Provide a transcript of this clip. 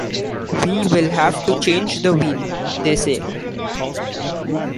“We will have to change the wheel”, they say.